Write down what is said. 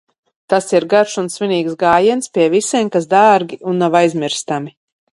Tas ir garš un svinīgs gājiens pie visiem, kas dārgi un nav aizmirstami.